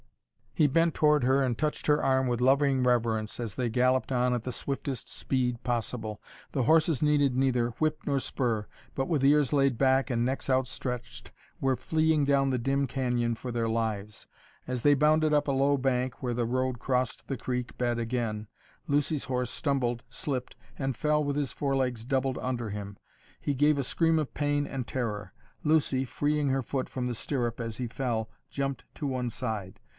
He bent toward her and touched her arm with loving reverence as they galloped on at the swiftest speed possible. The horses needed neither whip nor spur, but with ears laid back and necks outstretched were fleeing down the dim canyon for their lives. As they bounded up a low bank, where the road crossed the creek bed again, Lucy's horse stumbled, slipped, and fell with his forelegs doubled under him. He gave a scream of pain and terror. Lucy, freeing her foot from the stirrup as he fell, jumped to one side.